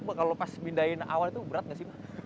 pak kalau pas pindahin awan itu berat nggak sih mbah